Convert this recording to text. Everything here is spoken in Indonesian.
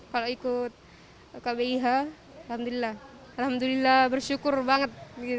kalau ikut kbih alhamdulillah alhamdulillah bersyukur banget